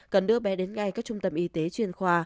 cần đưa bé đến ngay các trung tâm y tế chuyên khoa